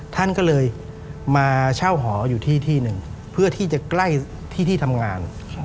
ท่านก็เลยมาเช่าหออยู่ที่ที่หนึ่งเพื่อที่จะใกล้ที่ที่ทำงาน